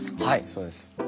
はいそうです。